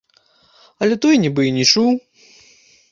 Але той нібы і не чуў.